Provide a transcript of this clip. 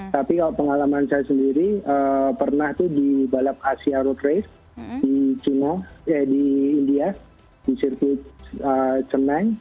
tapi kalau pengalaman saya sendiri pernah tuh di balap asia road race di china di india di sirkuit ceneng